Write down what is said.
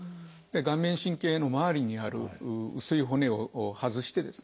顔面神経の周りにある薄い骨を外してですね